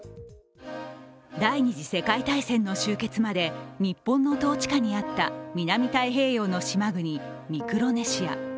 第二次世界大戦の終結まで日本の統治下にあった南太平洋の島国、ミクロネシア。